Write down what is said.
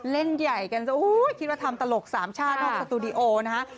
เล่นใหญ่กันซะคิดว่าทำตลกสามชาตินอกสตูดิโอนะฮะ